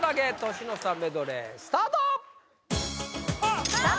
年の差メドレースタートさあ